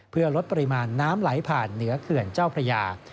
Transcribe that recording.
เพื่อลดปริมาณน้ำไหลผ่านเหนือเขื่อนเจ้าพระยา